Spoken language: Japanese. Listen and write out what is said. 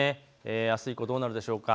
あす以降、どうなるでしょうか。